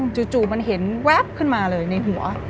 จู่มันเห็นแว๊บขึ้นมาเลยในหัว